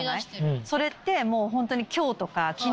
それってもうホントに。